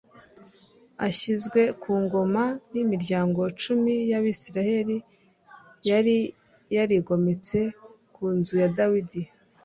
Ashyizwe ku ngoma nimiryango cumi yAbisirayeli yari yarigometse ku nzu ya Dawidi